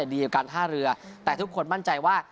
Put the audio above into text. ดีกับการท่าเรือแต่ทุกคนมั่นใจว่า